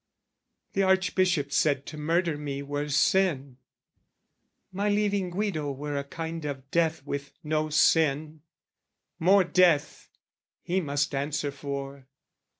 "The Archbishop said to murder me were sin: "My leaving Guido were a kind of death "With no sin, more death, he must answer for.